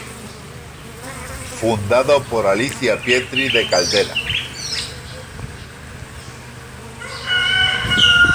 Fundado por Alicia Pietri de Caldera.